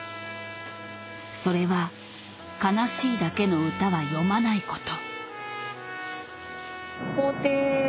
それは悲しいだけの歌は詠まないこと。